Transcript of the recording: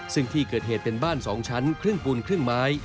ซึ่งที่เกิดเหตุเป็นบ้าน๒ชั้นครึ่งปูนครึ่งไม้